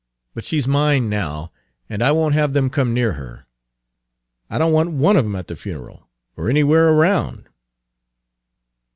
But she 's mine now, and I won't have them come near her. I don't want one of them at the funeral or anywhere around."